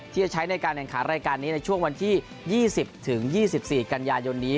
ที่จะใช้ในการแข่งขันรายการนี้ในช่วงวันที่๒๐๒๔กันยายนนี้